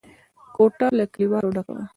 کوټه له کليوالو ډکه وه.